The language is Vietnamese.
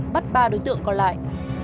bắt ba đối tượng còn lại